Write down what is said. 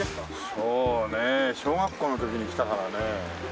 そうね小学校の時に来たからね。